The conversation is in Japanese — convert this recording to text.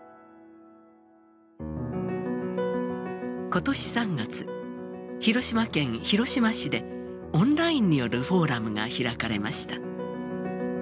今年３月広島県広島市でオンラインによるフォーラムが開かれました。